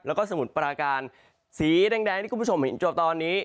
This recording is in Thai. และสมุดปราการสีแดงที่กุ้มผู้ชมเห็นจุดตอนนี้